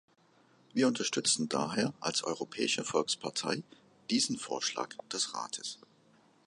Wir unterstützen daher als Europäische Volkspartei diesen Vorschlag des Rates.